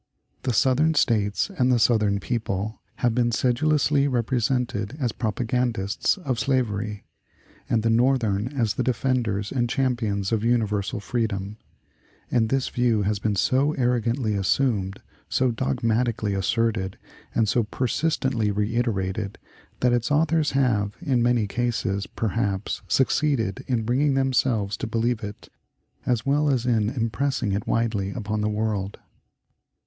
The Southern States and Southern people have been sedulously represented as "propagandists" of slavery, and the Northern as the defenders and champions of universal freedom, and this view has been so arrogantly assumed, so dogmatically asserted, and so persistently reiterated, that its authors have, in many cases, perhaps, succeeded in bringing themselves to believe it, as well as in impressing it widely upon the world.